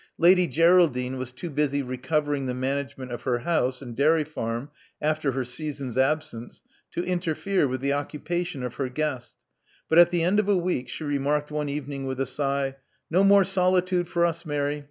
Lady Geraldine was too busy recovering the management of her house and dairy farm after her season's absence, to interfere with the occupation of her guest; but at the end of a week she remarked one evening with a sigh : No more solitude for us, Mary.